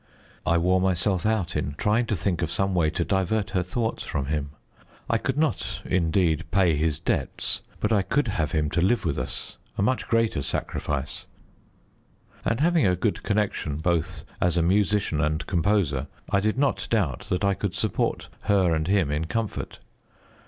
I wore myself out in trying to think of some way to divert her thoughts from him. I could not, indeed, pay his debts, but I could have him to live with us, a much greater sacrifice; and having a good connection, both as a musician and composer, I did not doubt that I could support her and him in comfort.